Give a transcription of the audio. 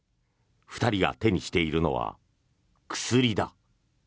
２人が手にしているのは薬だ。